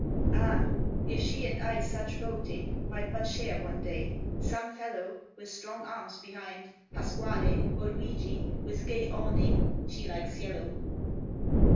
Ah! if she and I such boating Might but share one day, some fellow With strong arms behind, Pasquale, Or Luigi, with gay awning, (She likes yellow!)